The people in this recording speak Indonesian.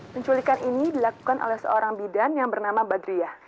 penculikan ini dilakukan oleh seorang bidan yang bernama badriah